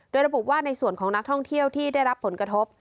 โดยระบุว่าในส่วนของนักท่องเที่ยวที่ได้รับผลกระทบ